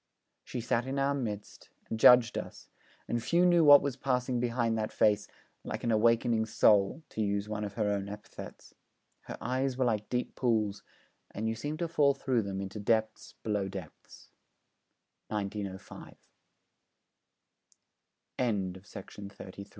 She sat in our midst, and judged us, and few knew what was passing behind that face 'like an awakening soul,' to use one of her own epithets. Her eyes were like deep pools, and you seemed to fall through them into depths below depths. 1905. WELSH POETRY There is certainly